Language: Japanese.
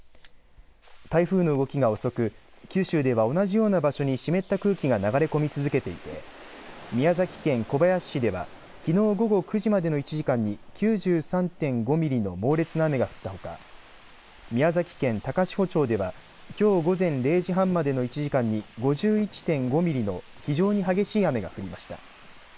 台風の動きが遅く九州では同じような場所に湿った空気が流れ込み続けていて宮崎県小林市ではきのう午後９時までの１時間に９３．５ミリの猛烈な雨が降ったほか、宮崎県高千穂町ではきょう午前０時半までの１時間に５１．５ミリの非常に激しい雨が降りました。